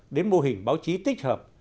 đến mô hình báo chí tích hợp